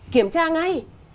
kiểm tra ngay